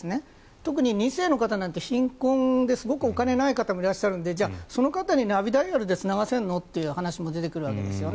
特に２世の方とかは貧困で、すごくお金がない方もいらっしゃるのでじゃあ、その方にナビダイヤルでつながせるのという話も出てくるわけですよ。